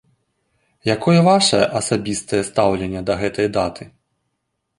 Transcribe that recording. Якое вашае асабістае стаўленне да гэтай даты?